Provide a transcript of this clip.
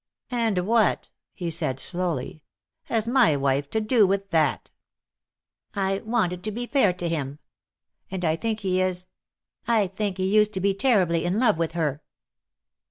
"And what," he said slowly, "has my wife to do with that?" "I wanted to be fair to him. And I think he is I think he used to be terribly in love with her."